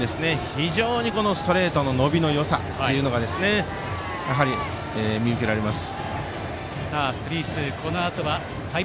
非常にストレートの伸びのよさが見受けられます。